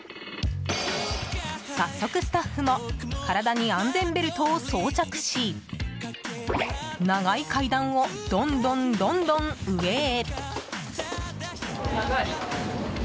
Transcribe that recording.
早速、スタッフも体に安全ベルトを装着し長い階段をどんどん、どんどん上へ。